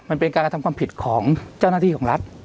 มันเป็นการกระทำความผิดของเจ้าหน้าที่ของรัฐ